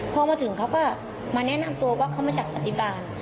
พอมาถึงเขาก็มาแนะนำตัวว่าเขามาจากสันติบาล